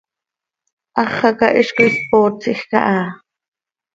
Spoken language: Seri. Háxaca hizcoi spootsij caha.